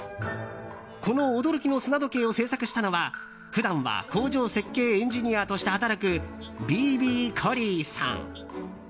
この驚きの砂時計を制作したのは普段は工場設計エンジニアとして働くＢＢコリーさん。